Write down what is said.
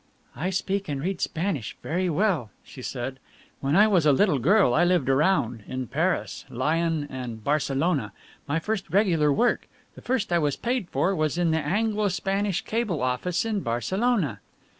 "I speak and read Spanish very well," she said. "When I was a little girl I lived around in Paris, Lyons, and Barcelona my first regular work the first I was paid for was in the Anglo Spanish Cable office in Barcelona."